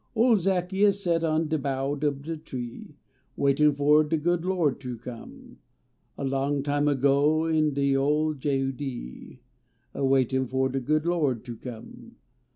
Ole Zaccheus set on de bow ob de tree Waitin fo de good Lo d ter come, A long time ago in de ole Judee, A waitin fo de good Lo d ter come.